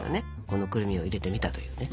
このくるみを入れてみたというね。